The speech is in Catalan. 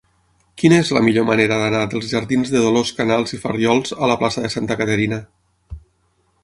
Quina és la millor manera d'anar dels jardins de Dolors Canals i Farriols a la plaça de Santa Caterina?